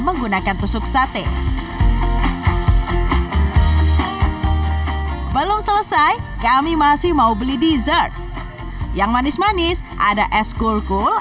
menggunakan tusuk sate belum selesai kami masih mau beli dessert yang manis manis ada es kulkul